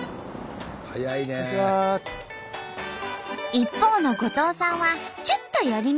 一方の後藤さんはちょっと寄り道。